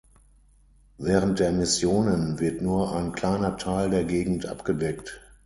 Während der Missionen wird nur ein kleiner Teil der Gegend abgedeckt.